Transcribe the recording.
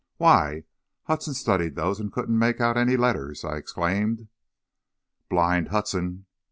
"Why, Hudson studied those and couldn't make out any letters," I exclaimed. "Blind Hudson!